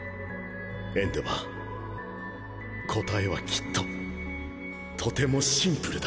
エンデヴァー答えはきっととてもシンプルだ。